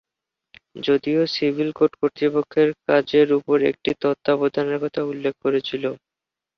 যদিও civil code কর্তৃপক্ষের কাজের উপর একটি তত্ত্বাবধানের কথা উল্লেখ করেছিল।